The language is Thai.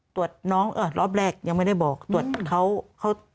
ตรวจน้องรอบแรกยังไม่ได้บอกตรวจเขา